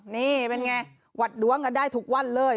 นี่เป็นไงหวัดดวงกันได้ทุกวันเลย